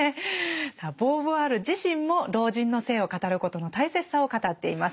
さあボーヴォワール自身も老人の性を語ることの大切さを語っています。